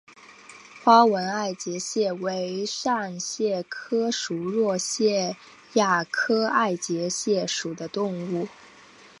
花纹爱洁蟹为扇蟹科熟若蟹亚科爱洁蟹属的动物。